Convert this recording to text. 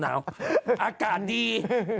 อากาศดี